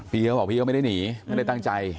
พี่เขาบอกพี่เขาไม่ได้หนีไม่ได้ตั้งใจ